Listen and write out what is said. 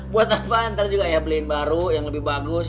buat apaan ntar juga beliin baru yang lebih bagus